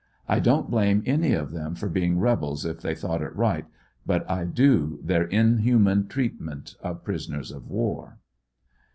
I don't blame any of them for being rebels if they thought it right, but I do their inhuman treat ment of prisoners of war.